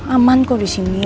aman kok disini